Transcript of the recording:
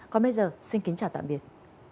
còn bây giờ xin kính chào tạm biệt